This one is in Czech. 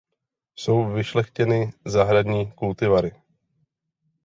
Jsou vyšlechtěny zahradní kultivary.